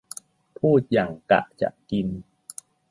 พูดหยั่งกะจะกิน